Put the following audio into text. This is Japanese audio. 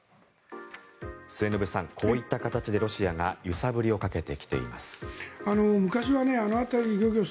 末延さん、こういった形でロシアが揺さぶりをかけてきています。